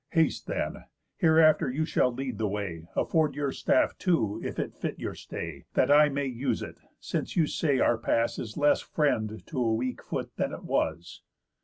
Haste then. Hereafter, you shall lead the way; Afford your staff too, if it fit your stay, That I may use it; since you say our pass Is less friend to a weak foot than it was."